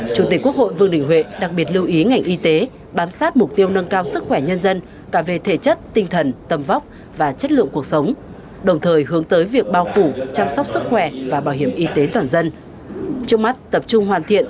chủ tịch quốc hội vương đình huệ đặc biệt lưu ý ngành y tế bám sát mục tiêu nâng cao sức khỏe nhân dân cả về thể chất tinh thần tầm vóc và chất lượng cuộc sống đồng thời hướng tới việc bao phủ chăm sóc sức khỏe và bảo hiểm y tế toàn dân